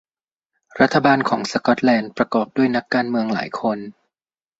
รัฐบาลของสกอตแลนด์ประกอบด้วยนักการเมืองหลายคน